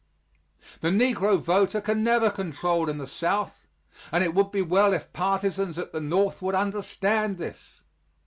The negro voter can never control in the South, and it would be well if partisans at the North would understand this.